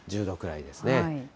１０度ぐらいですね。